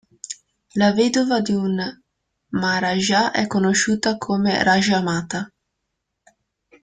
La vedova di un maharaja è conosciuta come Rajamata.